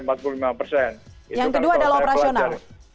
yang kedua adalah operasional